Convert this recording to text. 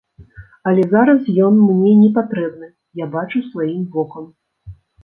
Але зараз ён мне не патрэбны, я бачу сваім вокам.